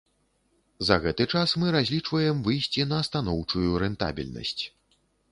За гэты час мы разлічваем выйсці на станоўчую рэнтабельнасць.